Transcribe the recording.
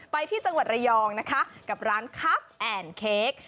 ไปที่จังหวัดระยองนะคะกับร้านคัฟแอนด์เค้ก